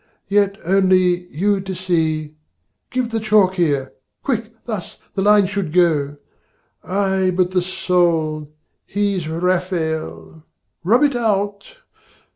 yet, only you to see, Give the chalk here quick, thus, the line should go! Ay, but the soul! he's Rafael! rub it out!